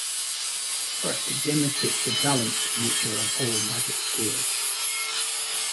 First it demonstrates the balanced nature of all magic squares.